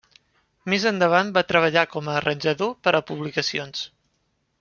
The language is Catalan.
Més endavant va treballar com a arranjador per a publicacions.